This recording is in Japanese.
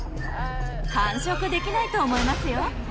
完食できないと思いますよ。